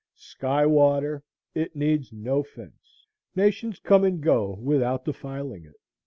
Sky water. It needs no fence. Nations come and go without defiling it.